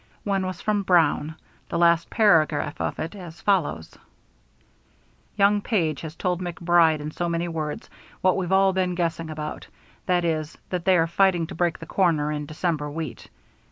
One was from Brown, the last paragraph of it as follows: Young Page has told MacBride in so many words what we've all been guessing about, that is, that they are fighting to break the corner in December wheat.